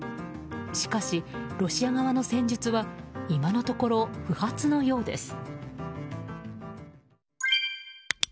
しかし、ロシア側の戦術は今のところ不発のようです。